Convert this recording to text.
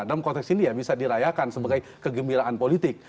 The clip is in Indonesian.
jadi dalam konteks ini bisa dirayakan sebagai kegembiraan politik